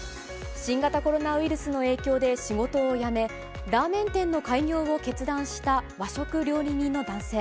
新型コロナウイルスの影響で仕事を辞め、ラーメン店の開業を決断した和食料理人の男性。